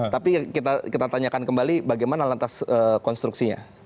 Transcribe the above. tapi kita tanyakan kembali bagaimana lantas konstruksinya